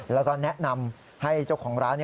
แล้วก็แนะนำให้เจ้าของร้าน